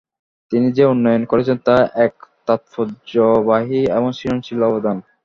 তিনি যে উন্নয়ন করেছেন তা এক তাৎপর্যবাহী এবং সৃজনশীল অবদান।